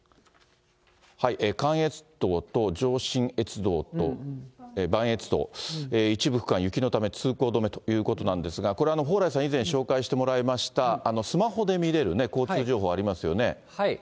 関越道と上信越道と磐越道、一部区間雪のため、通行止めということなんですが、これ、蓬莱さん、以前紹介してもらいました、スマホで見れる交通情報ありますよね。